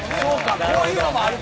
こういうのもあるか。